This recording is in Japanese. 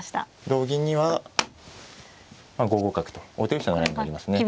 同銀には５五角と王手飛車のラインになりますね。